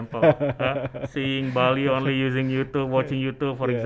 melihat bali hanya menggunakan youtube